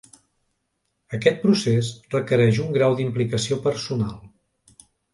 Aquest procés requereix un grau d'implicació personal.